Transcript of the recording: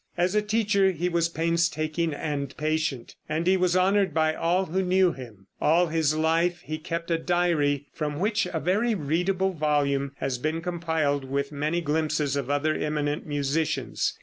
As a teacher he was painstaking and patient, and he was honored by all who knew him. All his life he kept a diary, from which a very readable volume has been compiled, with many glimpses of other eminent musicians.